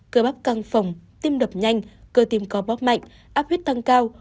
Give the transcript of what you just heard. cơ bắp căng phòng tim đập nhanh cơ tim có bóp mạnh áp huyết tăng cao